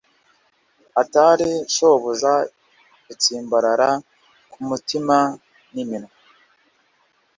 Hatari shobuja gutsimbarara kumutima niminwa